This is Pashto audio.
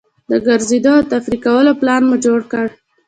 د ګرځېدو او تفریح کولو پلان مو جوړ کړ.